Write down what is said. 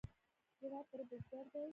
زما تره بزگر دی.